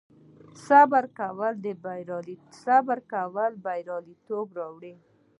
صبر کول بریالیتوب راوړي